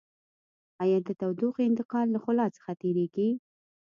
آیا د تودوخې انتقال له خلاء څخه تیریږي؟